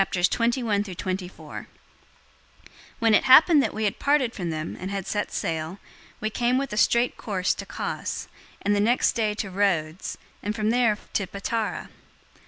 021:001 When it happened that we had parted from them and had set sail, we came with a straight course to Cos, and the next day to Rhodes, and from there to Patara.